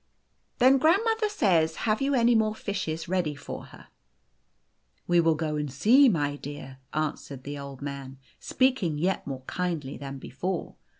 " Then grandmother says, have you any more fishes ready for her ?' u We will go and see, my dear," answered the Old Man, speaking yet more kindly than before.